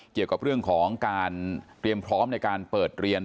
เกี่ยวกับเรื่องของการเตรียมพร้อมในการเปิดเรียน